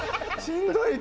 しんどい